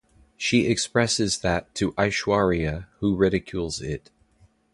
She expresses that to Aishwarya who ridicules it.